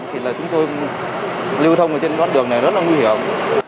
thì là chúng tôi lưu thông ở trên con đường này rất là nguy hiểm